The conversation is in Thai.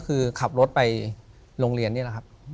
ถูกต้องไหมครับถูกต้องไหมครับ